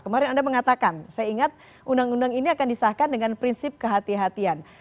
kemarin anda mengatakan saya ingat undang undang ini akan disahkan dengan prinsip kehatian